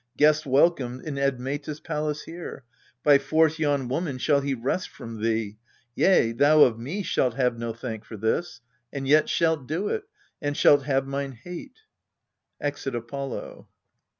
Guest welcomed in Admetus' palace here, By force yon woman shall he wrest from thee. Yea, thou of me shalt have no thank for this, And yet shalt do it, and shalt have mine hate. \Exit APOLLO.